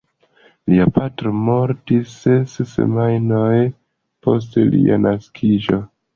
Lia patro mortis ses semajnojn post lia naskiĝo.